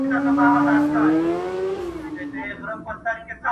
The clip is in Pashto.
له اومېده ډکه شپه ده چي تر شا یې روڼ سهار دی،